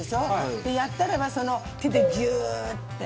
やったらば手でギューって。